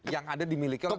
yang ada dimiliki orang